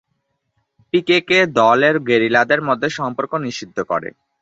পিকেকে দলের গেরিলাদের মধ্যে সম্পর্ক নিষিদ্ধ করে।